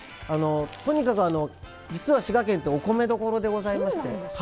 とにかく、実は滋賀県って、お米どころでございまして、